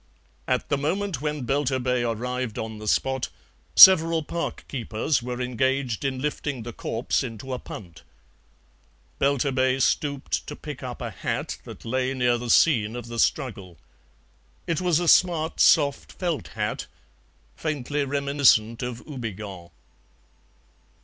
At the moment when Belturbet arrived on the spot several park keepers were engaged in lifting the corpse into a punt. Belturbet stooped to pick up a hat that lay near the scene of the struggle. It was a smart soft felt hat, faintly reminiscent of Houbigant.